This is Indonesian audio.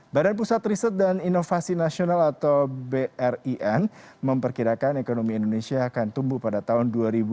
badan pusat riset dan inovasi nasional atau brin memperkirakan ekonomi indonesia akan tumbuh pada tahun dua ribu dua puluh